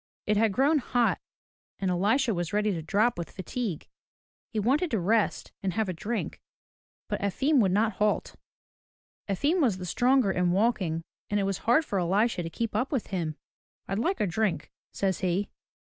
It had grown hot and Elisha was ready to drop with fatigue. He wanted to rest and have a drink, but Efim would not halt. Efim was the stronger in walking and it was hard for Elisha to keep up with him. "Fd like a drink," says he.